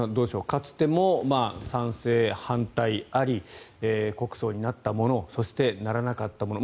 かつても賛成・反対あり国葬になったものそして、ならなかったもの。